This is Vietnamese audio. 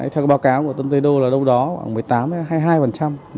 theo cái báo cáo của tân tây đô là đâu đó khoảng một mươi tám hai mươi hai